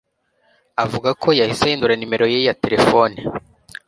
Avuga ko yahise ahindura nimero ye ya telefone,